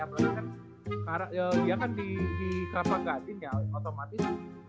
apalagi kan dia kan di kravagadin ya otomatis